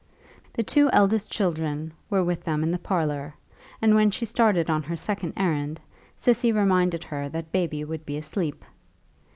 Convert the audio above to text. The two eldest children were with them in the parlour, and when she started on her second errand, Cissy reminded her that baby would be asleep.